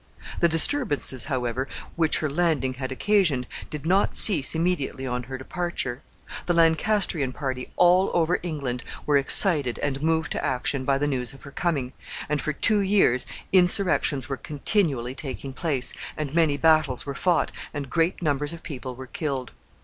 The disturbances, however, which her landing had occasioned, did not cease immediately on her departure. The Lancastrian party all over England were excited and moved to action by the news of her coming, and for two years insurrections were continually taking place, and many battles were fought, and great numbers of people were killed.